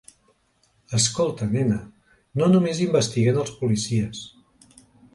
Escolta, nena, no només investiguen els policies.